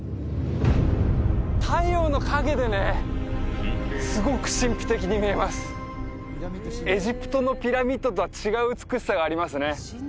太陽の陰でねすごく神秘的に見えますエジプトのピラミッドとは違う美しさがありますね